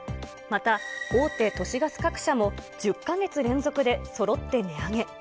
また、大手都市ガス各社も１０か月連続でそろって値上げ。